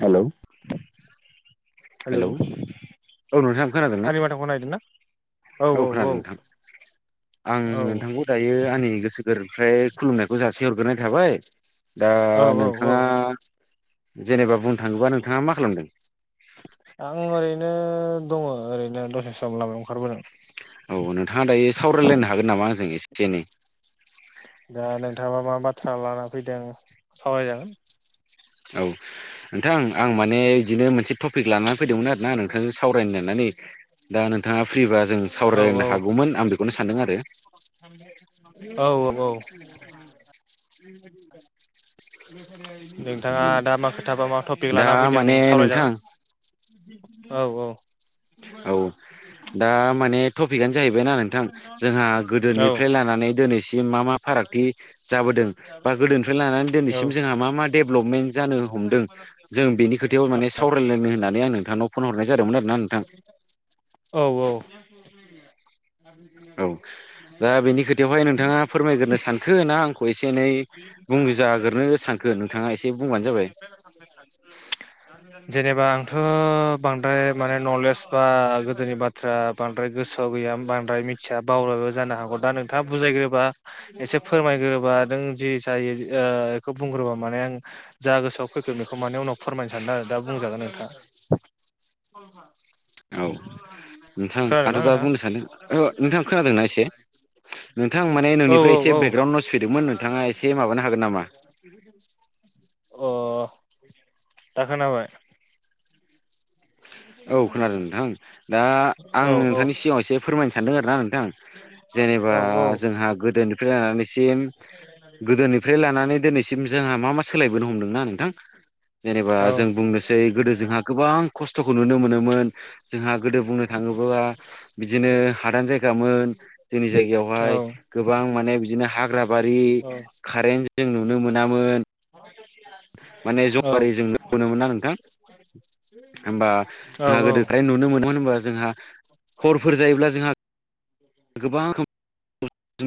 Hello [unintelligible] hello औ नोंथांआ खोनादोंना? बनायदोंना? औ खोनादों नोंथां। आं औ नोंथांखौ दायो आंनि गोसो गोर्बोनिफ्राय खुलुमनायखौ जासि हरग्रोनाय थाबाय दा औ औ औ नोंथाङा जेनेबा बुंनो थाङोबा नोंथाङा मा खालामदों? आं ओरैनो दङ ओरैनो दसे सम लामायाव ओंखारबोदों। औ नोंथाङा दायो सावरायलायनो हागोन नामा आंजों एसे एनै? दा नोंथाङा मा बाथ्रा लाना फैदों सावरायजागोन। औ नोंथां आं माने बिदिनो मोनसे टपिक लानानै फैदोंमोन आरोना नोंथांजों साव रायनो होननानै दा नोंथाङा फ्रि बा जों औ सावरायनो औ हागौमोन आं बेखौनो सानदों आरो। औ औ। [unintelligible] नोंथाङा दा मा खोथा बा मा टपिक दा लाना फैदों माने नोंथां सावरायजागोन। औ औ। औ दा माने टपिकआनो जाहैबायनाा नोंथां जोंहा औ गोदोनिफ्राय लानानै दिनैसिम मा मा फारागथि जाबोदों बा गोदोनिफ्राय लानानै दिनैसिम जोंहा मा मा डेभेलपमेन्ट जानो हमदों जों बेनि खोथायाव माने सावरायलायनो होननानै आं नोंथांनाव फन हरनाय जादोंमोन आरोना नोंथां। औ औ। औ दा बेनि खोथायावहाय नोंथाङा फोरमायग्रोनो सानखो ना आंखौ एसे एनै बुं जाग्रो सानखो नोंथाङा एसे बुंबानो जाबाय [unintelligible] जेनेबा आंथ' बांद्राय माने नलेज बा गोदोनि बाथ्रा बांद्राय गोसो सोआव गैया बांद्राय मिथिया बावलो जानो हागौ दा नोंथाङा बुजायग्रोबा एसे फोरमायग्रोबा नों जि जायो ओ बेखौ बुंग्रोबा माने आं जा गोसोआव फैखो बेखौ माने उनाव फोरमायनो सानदों आरो दा बुंजागोन नोंथां। औ नोंथां खोनादों आथ' ना दा नोंथां बुं‌ सान्दों नोंथां खोनादोंना एसे नोंथां माने औ नोंनिफ्राय औ एसे औ बेकग्राउन्ड नयस फैदोंमोन नों नोंथाङा एसे माबानो हागोन नामा? अ दा खोनाबाय। औ खोनादों नोंथां दा आं औ औ नोंथांनि सिगाङाव एसे फोरमायनो सानदों आरो ना नोंथां। जेनेबा औ जोंहा गोदोनिफ्राय लानानैसिम गोदोनिफ्राय लानानै दिनै सिम जोंहा मा मा सोलायबोनो हमदोंना नोंथां जेनेबा औ जों बुंनोसै गोदो जोंहा गोबां खस्थ'खौ नुनो मोनोमोन जोंहा गोदो बुंनो थाङोबा बिदिनो हादान जायगा गामोन जोंनि जायगायावहाय गोबां माने बिदिनो हाग्रा बारि औ खारें जों नुनो मोनामोन। [unintelligible] माने जवारि जों नुनो मोना नोंथां। होमबा औ जोंहा औ गोदो फ्राय नुनो मोनोम होनबा जोंहा हरफोर जायोब्ला जोंहा गोबां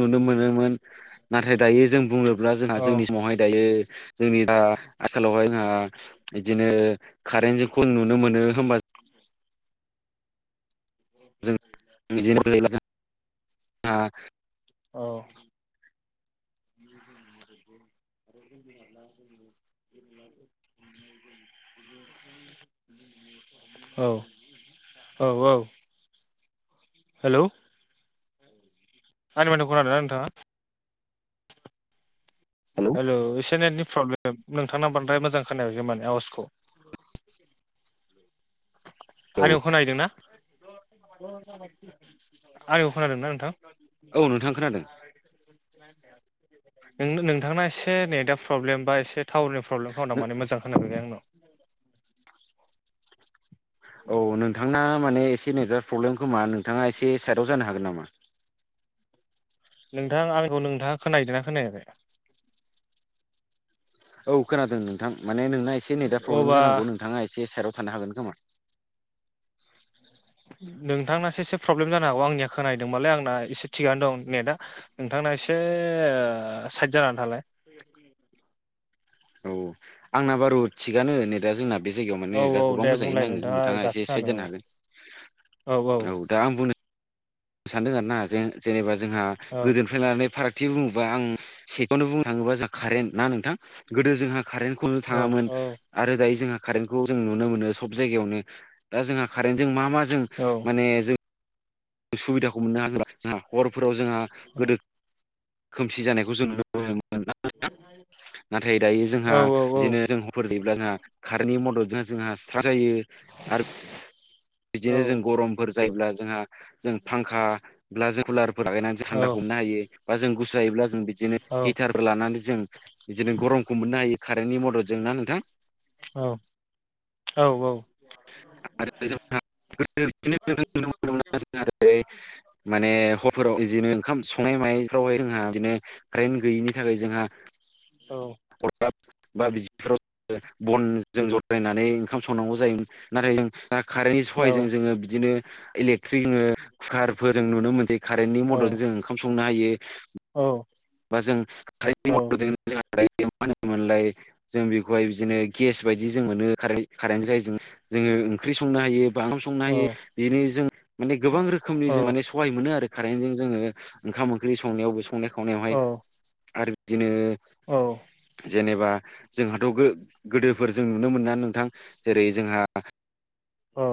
नुनो मोनोमोन नाथाय दायो जों बुङोब्ला जोंहा जोंनि समावहाय दायो जोंनि दा आखालावहाय जोंहा बिदिनो कारेन्ट जोंखौ नुनो मोनो होमबा [unintelligible] बिदिनोफ्राय औ [inaudible] [inaudible] [inaudible] औ औ औ हेलौ आंनि माथोखौ खोनादोंना नोंथाङा? हेलौ हेल' एसे नेटनि प्रब्लेम नोंथांना बांद्राय मोजां खोनायाखै माने आवाजखौ। आंनिखौ खोनाहैदोंना? [inaudible] आंनिखौ खोनादोंना नोंथां? औ नोंथां खोनादों [unintelligible] नों नोंथांना एसे नेटआ प्रब्लेम बा एसे टाउननि प्रब्लेम खोनादों माने मोजां खोनाफैयाखै आंनाव। औ नोंथांना माने एसे नेजार प्रब्लेम खोमा नोंथाङा एसे साइडआव जानो हागोन नामा? नोंथां आंखौ नोंथाङा खोनाहैदोंना खोनायाखै? औ खोनादों नोंथां माने नोंना एसे नेटआ प्रब्लेम अब्ला जानांगौ नोंथाङा एसे साइडआव थानो हागोन खोमा। नोंथांसो एसे प्रब्लेम जानो हागौ आंनिया खोनदोंबालाय आंना एसे थिगानो दं नेटआ। नोंथांना एसे ओ साइद जानानै थालाय। औ आंना बारु थिगानो नेदा जोंना। बे जायगायाव माने औ दा औ गोबां दे मोजाङैनो बुंलाय नाङो नोंथाङा एसे दासो साइद खोनादों जानो हागोन औ दा आं बुंनो सानदों आरो ना जे-जेनेबा जोंहा औ गोदोनिफ्राय लानानै फाराग थि बुङोबा आं सेनो बुंनो थाङोबा जों कारेन्ट ना नोंथां गोदो जोंहा कारेन्ट खनो औ थाङामोन। आरो दायो जोंहा कारेन्टखौ जों नुनो मोनो सब जायगायावनो दा जोंहा कारेन्टजों मा मा जों औ माने जों सुबिदाखौ मोननो हा जों हरफोराव जोंहा गोदो खोमसि जानायखौ जों नुनो मोन नाथाय दायो जोंहा औ औ बिदिनो जों फोर गैब्लाङा कारेन्टनि मददजों जोंहा सिथार जायो। आरो बिदिनो जों गरमफोर जायोब्ला जोंहा जों फांखा ब जों कुलारफोर लागायनानै जों हान्दाखौ हमनो हायो। बा जों गुसु जायोब्ला जों बि बिदिनो हिटारबो लानानै जों बिदिनो गरमखौ मोननो हायो कारेन्टनि मददजोंनो ना नोंथां। औ, औ, औ आरो [unintelligible] माने हरफोराव बिदिनो ओंखाम संनाय मानाय फावहाय जोंहा बिदिनो कारेन्ट गैयिनि थाखाय जोंहा औ हराब बा बिदिफोराव बनजों जथ्रायनानै ओंखाम संनांगौ जायोमोन। नाथाय जों दा कारेन्टनि सहायजों जोङो बिदिनो इलेकट्रिक जो कुकारफोर जों नुनो मोनसै। कारेन्टनि मदद औ जों ओंखाम संनो हायो। बा जों कारेन्ट जै मा होनोमोनलाय [unintelligible] जों बेखौहाय बिदिनो गेस बायदि जों मोनो खारेन्टनि थाखायों जोङो ओंख्रि संनो हायो। बाम संनो हायो बिनो जों माने गोबां रोखोमनि जों माने सहाय मोनो आरो। खारेन्जों जोङो ओंखाम ओंख्रि संनायावबो संनाय खावनायावहाय आरो बिदिनो औ जेनेबा जोंहाथ' गोदोफोर जों नुनो मोना नोंथां। जेरै, जोंहा अ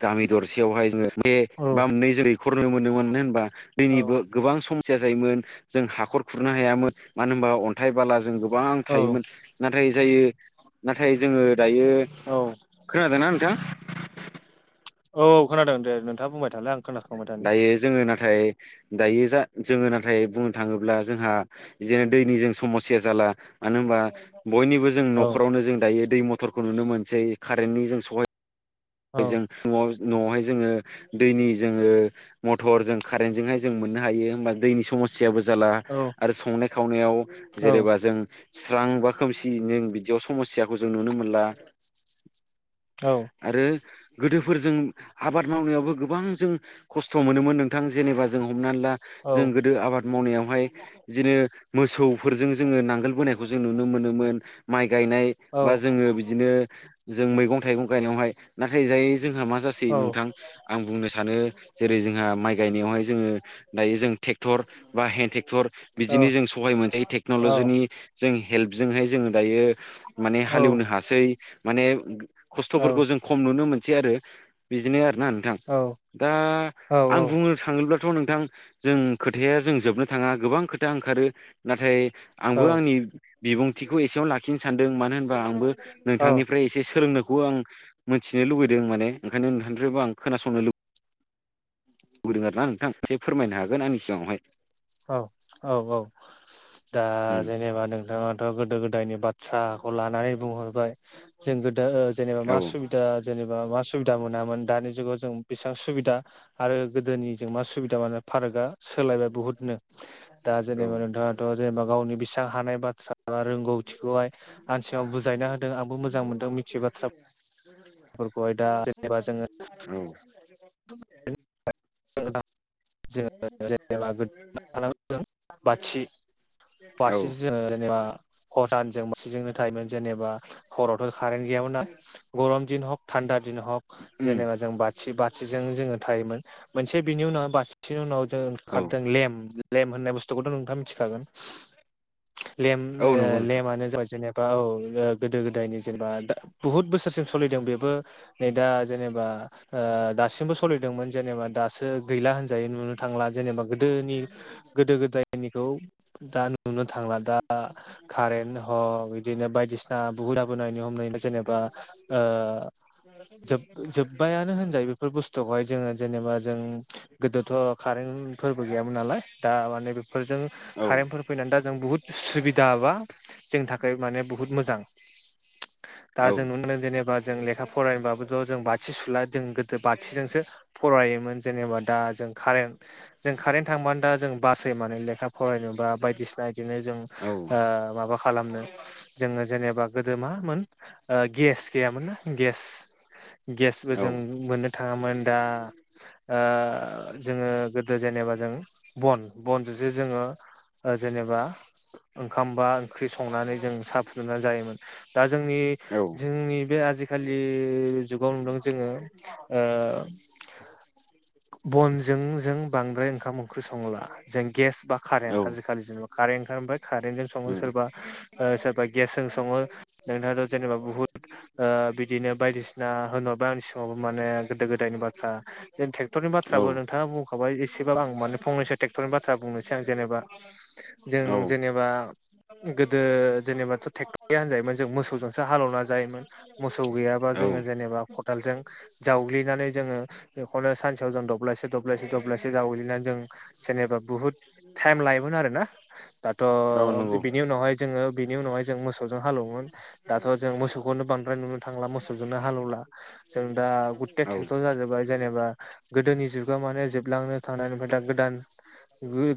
गामि दरसेयावहाय जोङो बे बा मोननै जै खरनो मोनोमोन होनबा दैनिबो गोबां समस्या जायोमोन जों हाखर खुरनो हायामोन मानो होनबा अन्थाइ, बाला जों गोबां थायोमोन नाथाय जायो नाथाय जोङो दायो खोनादोंना नोंथां? औ खोनादों दे नोंथाङा बुंबाय थालाय आं खोनादों। दायो जोङो नाथाय दायो जा जोङो नाथाय बुंनो थाङोब्ला जोंहा जनो दैनि जों समस्या जाला। मानो होनबा बयनिबो ज जों औ न'खरावनो जों दायो दै मथरखौ नुनो मोनसै कारेन्टनि जों सहाय औ जों न'आवहाय जोङो दैनि जोङो मटर जों कारेन्टजोंहाय जों मोननो हायो होमबा दैनि समस्याबो जाला औ आरो संनाय खावनायाव औ जेनेबा जों स्रां बा खोमसि नों बिदियाव समस्याखौ जों नुनो मोनला। औ आरो गोदोफोरजों आबाद मावनायावबो गोबां जों खस्थ' मोनोमोन नोंथां जेनेबा जों हमनानै ला औ जों गोदो आबाद मावनायावहाय बिदिनो मोसौफोरजों जोङो नांगोल बोनायखौ जों नुनो नुनो मोनोमोन माइ गायनाय औ बा जोङो बिदिनो जों मैगं- थाइगं गायनायावहाय नाथाय जायै जोंहा मा जासै औ नोंथां आं बुंनो सानो जेरै जोंहा माइ गायनायावहाय जोङो दायो जों ट्रेक्टर बा हेन्ड ट्रेक्टर बिदिनो जों सहाय मोनजायो टेक्न'ल'जिनि जों हेल्प जोंहाय जोङो दायो माने औ हालेवनो हासै माने खस्थ'फोरखौ जों खम नुनो मोनसै आरो बिदिनो आरोना नों औ औ दा आं बुंनो थाङोब्लाथ' नोंथां जों खोथाया जों जोबनो थाङा गोबां खोथाया ओंखारो नाथाय आंबो आंनि बिबुंथिखौ एसेयावनो लाखिनो सानदों मानो होनबा आंबो नोंथांनिफ्राय एसे सोलोंनो आं मोनथिनो लुबैदों माने ओंखायनो नोंथांनिफ्रायबो आं खोनासंनो लुबैदों। होदों आर ना नोंथां एसे फोरमायनो हागोन आंनि सिगाङावहाय। औ, औ, औ दा उम जेनेबा नोंथाङाथ' गोदो गोदायनि बाथ्रा। बाथ्राखौ लानानै बुंहरबाय जों गोदो जेनेबा औ मा सुबिदा दा जेनेबा मा सुबिदा मोनामोन दानि जुगाव जों बेसेबां सुबिदा आरो गोदोनिजों मा सुबिदा मानो पार्कआ सोलायबाय बुहुद नो दा औ जेनेबा नोंथाङाथ' जेनेबा गावनि बिसा हानाय बाथ्रा एा रोंगौथिखौहाय आान सिाव बुजायना होदों आंबो मोजां मोनदों मिथिययो बाथ्रा ब जोङो [inaudible] औ जेनेबा औ जेबा हसानजों मसेजोंनो थायोमोन जेनेबा हरावथ' कारेट गैयामोन ना गम ह थान्दा द ह उम जेनब [unintelligible] जों बाथि बाथिजों जोङो थायोमोन मोनसे बिनि उनाव बाथि बिनि उनाव जों औ ओंखारदों लेम्प लेम्प होननाय बुस्थुखौथ' नोंथाङा मिथिखागोन। लेम औ ओ नंगौ नोंथां लेमानो जाबाय जोंनियाब बा औ गोदो गोदायनि जेनेबा बहुत बोसोरसिम सोलिदों बेबो नै दा जेनेबा ओ दासिमबो सलिदोंमोन जेनेबा दासो गैला होनजायो नुनो थांला। जेनेबा गोदोनि गोदो गोदायनिखौ दा नुनो थांला दा कारेन्ट अ बिदिनो बायदिसिना बुहुदा बोनायनि अनगायैबो जेनेबा ओ जोब जोब्बायानो होनजायो बेफोर बुस्थुखौहाय जोङो जेनेबा जों गोदोथ' कारेन्टफोरबो गैयामोन नालाय। दा माने बेफोरजों औ कारेन्टफोर फैनानै दा जों बुहुद सुबिदा बा जोंनि थाखाय माने बुहुत मोजां दा औ जों नुनो मोननाय जेनेबा जों लेखा फरायनोबाबोथ' जों बाथि सुला जों गोदो बाथिजोंसो फरायोमोन जेनेबा दा जों कारेन्ट जों कारेन्ट थांबानो दा जों बासायनानै लेखा फरायनोबा बायदिसिना बिदिनो जों माबा खालामनो जोङो जेनेबा गोदो मामोन गेस गैयामोन ना गेस गेसबो जों औ मोननो थाङामोन दा जोङो गोदो जेनेबा जों बन बनजोंसो जोङो जेनेबा ओंखाम बा ओंख्रि संनानै जों साहा फुदुंनानै जायोमोन दा जोंनि जोंनि बे आजिखालि जुगाव नुदों जोङो बनजों जों बांद्राय ओंखाम ओंख्रि संला जों गेस बा औ कारेन्ट आजिखालि जेनेबा कारेन्ट ओंखारओबाय कारेन्ट जजों सङो उम सोरबा सोरबा गेस जजों सङो नोंथाङाथ' जेनेबा बुहुत ओ बिदिनो बायदिसिना होन्ला आंनि सिगङावबो माने गोदो गोदायनि बाथ्रा जे औ ट्रेक्टरनिाथ्राबो नोंथाङा बुंखाबाय एसेबाब आं माने फंनैसै ट्रेक्टरनि बाथ्रा बुंनोसैं जेनेबा जों औ जेनेबा गोदो जेनेबाथ' ट्रेक्ट'रया होनजायोमोन जों मोसौजोंसो हालौवना जायोमोन। मोसौ गैयाबा औ जोङो जेनेबा खदालजों जावग्लिनानै जोङो बेखौनो सानसेयाव जों दब्लायसे दब्लायसे दब्लायसे जावग्लिनानै जों जेनेबा बुहुत टाइम लायोमोन आरो ना? दाथ' औ नंगौ बेनि उनावहाय जोङो बेनि उनावहाय जों मोसौजों हालौवोमोन दाथ' जों मोसौखौ नो बांद्राय नुनो थांला मोसौजोंनो हालेवला जों दा गुथे औ ट्रेक्टर जाजोबबाय जेनेबा गोदोनि जुगाव माने जोबलांनो थांनानै ओमफ्राय दा गोदान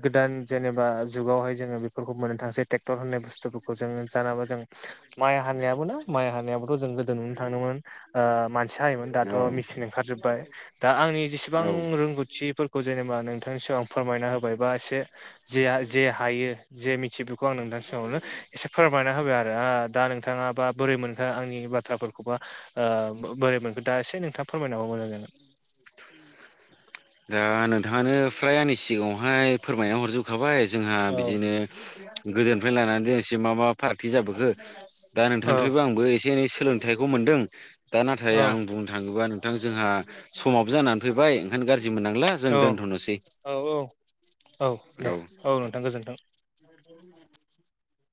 गोदान जेनेबा जुगावहाय जोङो बेफोरखौ मोननो थांसै ट्रेक्टर होननाय बुस्थुफोरखौ खौ जों जानाबा जों माइ हानायाबो ना माइ हानायाबोथ' जों गोदो ननो थांदोंमोन मानसिया हायोमोन दाथ' मेचिन ओंखार जोबबाय दा आंनि जेसेबां रोंगौथिफोरखौ जेनेबा नोंथांनिसिग आं फोरमायना होबाय बा एसे जेया जे हायो। जे मिथियो बेखौ आं नोंथां सिगावनो एसे फोरमायना होबाय आरो दा नोंथाङा बा बोरै मोनखो आंनि बाथ्राफोरखौबोा बोरै मोनखो दा एसे नोंथाङा फोरमायनांगौ मोजां जागोन। दा नोंथाङानो ओफ्राय आंनि सिगाङाव ओमफाय फोरमाया हरजोबखाबाय जोंहा औ बिदिनो गोदोनिफ्राय लानानै द एसे मा मा फाराग जाबोखो दा औ नोंथांनिफ्रायइबो आंबो एसे एनै सोलोंथाइ खौ मोनदों दा नाथाय आं बुंनो थाङोबा नोंथां जोंहा समाबबो जानानै फैबाय ओंखायनो गाज्रि मोननांला जों औ दोनथ'नोसै औ औ औ दे औ नोंथां गोजोन्थों।